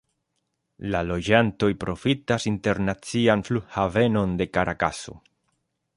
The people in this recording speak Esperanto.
La loĝantoj profitas internacian flughavenon de Karakaso.